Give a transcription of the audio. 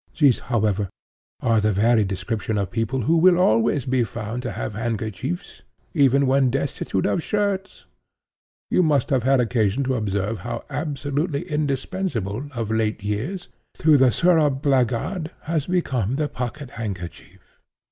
These, however, are the very description of people who will always be found to have handkerchiefs even when destitute of shirts. You must have had occasion to observe how absolutely indispensable, of late years, to the thorough blackguard, has become the pocket handkerchief."